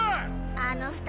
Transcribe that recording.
あの二人